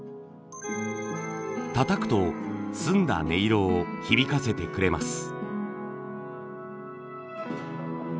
たたくと澄んだ音色を響かせてくれます。